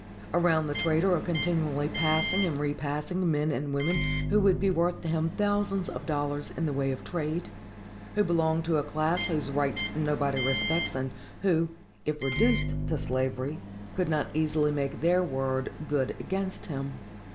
Around the trader are continually passing and repassing men and women who would be worth to him thousands of dollars in the way of trade,—who belong to a class whose rights nobody respects, and who, if reduced to slavery, could not easily make their word good against him.